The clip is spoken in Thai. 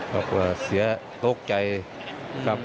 เพราะว่าเสียโต๊ะใจครับ